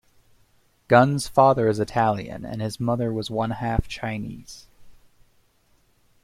Gunn's father is Italian and his mother was one-half Chinese.